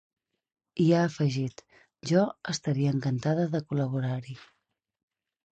I ha afegit: Jo estaria encantada de col·laborar-hi.